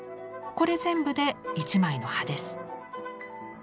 これ全部で１枚の葉です。